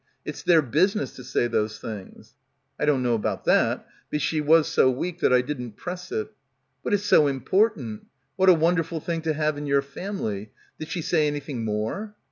It's their business to say those things." "I don't know about that But she was so weak that I didn't press it." "But it's so important. What a wonderful thing to have in your family. Did she say any thing more?"